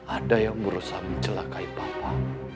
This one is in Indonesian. ada yang berusaha mencelakai papa